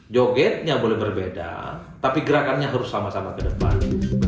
jogetnya boleh berbeda tapi gerakannya harus sama sama ke depan